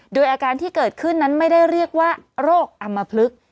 โดยอาการที่เกิดขึ้นนั้นไม่ได้เรียกว่าโรคอำมพลึก